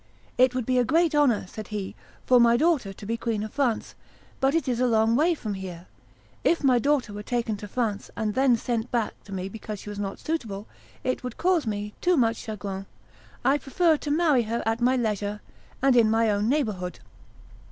"It would be a great honor," said he, "for my daughter to be Queen of France; but it is a long way from here. If my daughter were taken to France, and then sent back to me because she was not suitable, it would cause me too much chagrin. I prefer to marry her at my leisure, and in my own neighborhood."